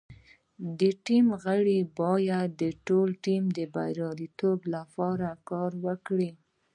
د ټیم غړي باید د ټول ټیم د بریالیتوب لپاره کار وکړي.